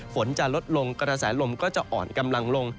ฝนจะลดลงกระแสลมก็จะอ่อนกำลังลง